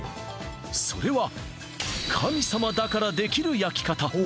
それは神様だからできる焼き方